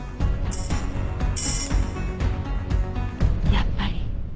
やっぱり。